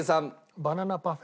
バナナパフェ。